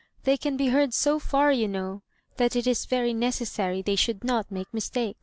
They can be heard so far, you know, that it is very necessary they should not make mistakes."